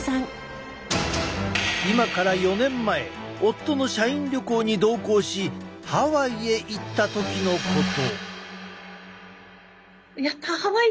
今から４年前夫の社員旅行に同行しハワイへ行った時のこと。